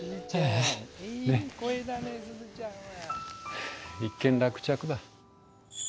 はあ一件落着だ。